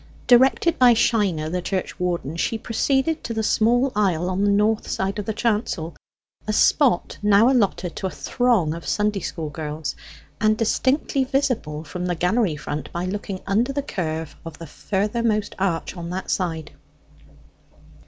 Directed by Shiner, the churchwarden, she proceeded to the small aisle on the north side of the chancel, a spot now allotted to a throng of Sunday school girls, and distinctly visible from the gallery front by looking under the curve of the furthermost arch on that side.